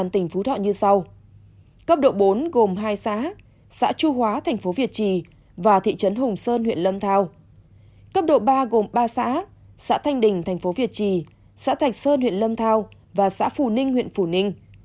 tỉnh thánh hóa gồm ba xã xã thanh đình thành phố việt trì xã thạch sơn huyện lâm thao và xã phủ ninh huyện phủ ninh